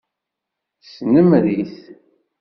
Snemmer-it.